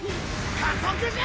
加速じゃ！